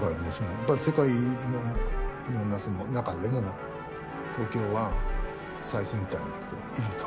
やっぱり世界のいろんな中でも東京は最先端にいると。